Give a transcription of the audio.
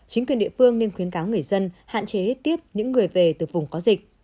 chính quyền địa phương nên khuyến cáo người dân hạn chế tiếp những người về từ vùng có dịch